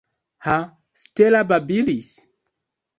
Ha, Stella babilis?